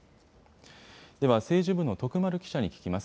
では、政治部の徳丸記者に聞きます。